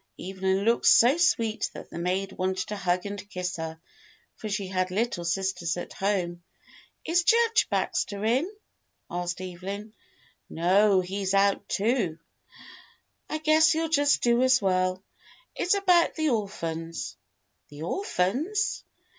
Evelyn looked so sweet that the maid wanted to hug and kiss her, for she had little sisters at home. "Is Judge Baxter in.?" asked Evelyn. "No, he is out too." "I guess you'll do just as well. It's about the or phans." "The orphans.?"